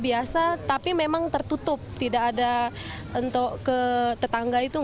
biasa digunakan sebagai tempat pertemuan atau pengajian